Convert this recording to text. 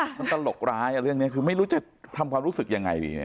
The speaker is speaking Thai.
มันตลกร้ายเรื่องนี้คือไม่รู้จะทำความรู้สึกยังไงดีเนี่ย